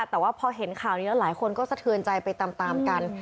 แต่ว่าพอเห็นข่าวนี้แล้วหลายคนก็สะเทือนใจไปตามกัน